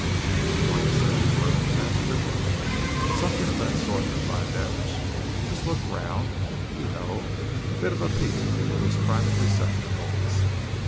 "You're going to search his rooms?" asked Triffitt. "Something of that sort," replied Davidge. "Just a look round, you know, and a bit of a peep into his private receptacles."